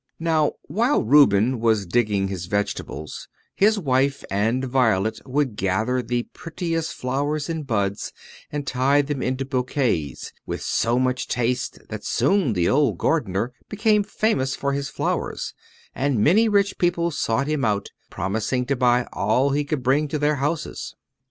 Now, while Reuben was digging his vegetables, his wife and Violet would gather the prettiest flowers and buds, and tie them into bouquets with so much taste that soon the old gardener became famous for his flowers, and many rich people sought him out, promising to buy all he would bring to their houses.